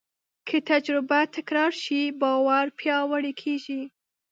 که تجربه تکرار شي، باور پیاوړی کېږي.